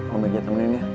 om pergi temenin ya